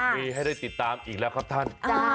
มีให้ได้ติดตามอีกแล้วครับท่าน